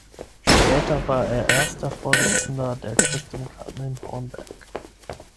Später war er Erster Vorsitzender der Christdemokraten in Hornberg.